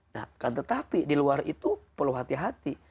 nah kan tetapi di luar itu perlu hati hati